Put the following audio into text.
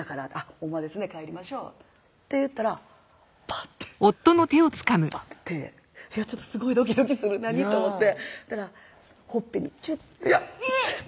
「ほんまですね帰りましょう」って言ったらぱってぱって手すごいドキドキするなに？と思ってたらほっぺにチュッていやっ！